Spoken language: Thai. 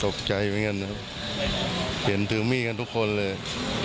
ตกใจไว้กันนะครับเปลี่ยนถือมี่กันทุกคนเลย